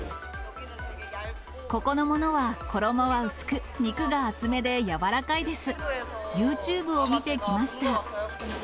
ここのものは衣は薄く、肉が厚めでやわらかいです。